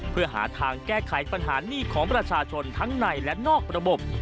เพื่อหาทางแก้ไขปัญหาหนี้ของประชาชนทั้งในและนอกระบบ